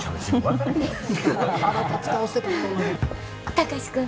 貴司君！